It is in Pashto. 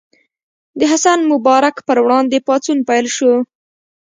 د حسن مبارک پر وړاندې پاڅون پیل شو.